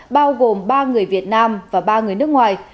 bao gồm ba người việt nam và ba người nước ngoài